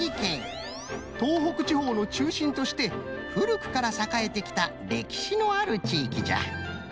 東北地方のちゅうしんとしてふるくからさかえてきたれきしのあるちいきじゃ。